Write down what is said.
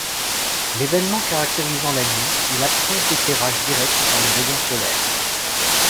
L'évènement caractérisant la nuit est l'absence d'éclairage direct par les rayons solaires.